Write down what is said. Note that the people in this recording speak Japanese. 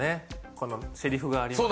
このセリフがありますから。